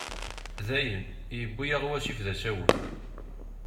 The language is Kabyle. Dayen, yuwi-aɣ wasif d asawen.